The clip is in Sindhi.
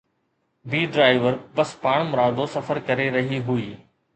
بي ڊرائيور بس پاڻمرادو سفر ڪري رهي هئي